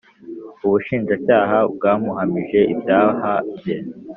Ubushinjacyaha bwamuhamije ibyaha bye